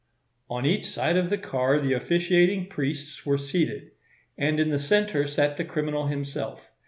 "On each side of the car the officiating priests were seated; and in the centre sat the criminal himself.